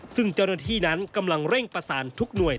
ซึ่งเจ้าหน้าที่นั้นกำลังเร่งประสานทุกหน่วย